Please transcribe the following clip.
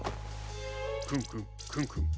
クンクンクンクン。